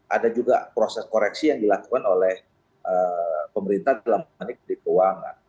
ada juga proses koreksi yang dilakukan oleh pemerintah dalam kementerian keuangan